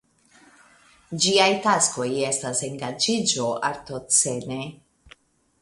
Ĝiaj taskoj estas engaĝiĝo artoscene.